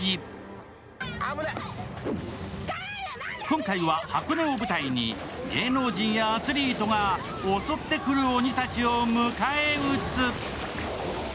今回は箱根を舞台に芸能人やアスリートが襲ってくる鬼たちを迎え撃つ！